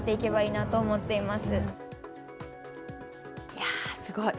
いや、すごい。